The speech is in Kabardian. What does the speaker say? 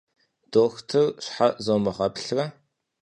Дохутыр щхьэ зомыгъэплърэ?